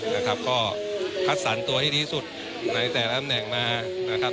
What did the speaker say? นะครับก็คัดสรรตัวที่ดีที่สุดในแต่ละตำแหน่งมานะครับ